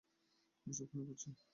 এসব কেন করছেন?